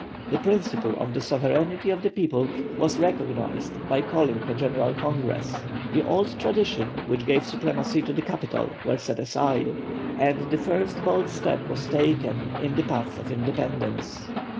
The principle of the sovereignty of the people was recognised by calling a general Congress; the old traditions, which gave supremacy to the capital, were set aside; and the first bold step was taken in the path of independence.